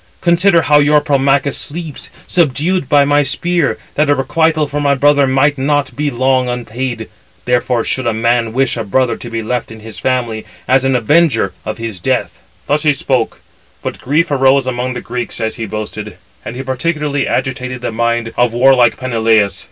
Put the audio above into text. Consider how your Promachus sleeps, subdued by my spear, that a requital for my brother might not be long unpaid. Therefore should a man wish a brother to be left in his family, as an avenger of his death." Footnote 482: (return) See note on iv. 242. Thus he spoke; but grief arose among the Greeks as he boasted, and he particularly agitated the mind of warlike Peneleus.